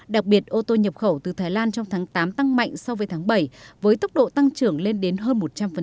đặc biệt ô tô nhập khẩu từ thái lan trong tháng tám tăng mạnh so với tháng bảy với tốc độ tăng trưởng lên đến hơn một trăm linh